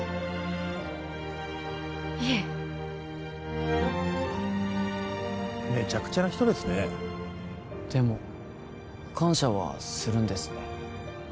いえめちゃくちゃな人ですねでも感謝はするんですね